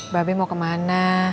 mbak be mau kemana